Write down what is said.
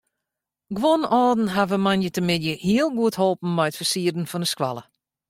Guon âlden hawwe moandeitemiddei hiel goed holpen mei it fersieren fan de skoalle.